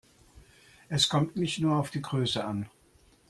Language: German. Es kommt nicht nur auf die Größe an.